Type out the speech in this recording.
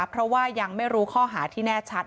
เพราะว่ายังไม่รู้ข้อหาที่แน่ชัด